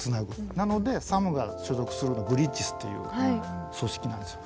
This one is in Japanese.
なのでサムが所属するの「ブリッジズ」っていう組織なんですよ。